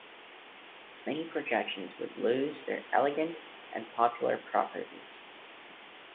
Many projections would lose their elegant and popular properties.